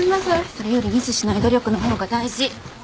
それよりミスしない努力の方が大事。